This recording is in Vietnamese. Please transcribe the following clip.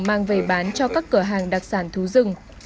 mang về bán cho các cửa hàng đặc sản thú rừng